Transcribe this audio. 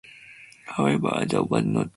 However that was not always the case.